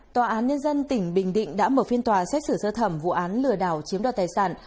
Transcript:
tòa án nhân dân tỉnh bình định đã mở phiên tòa xét xử sơ thẩm vụ án lừa đảo chiếm đoạt tài sản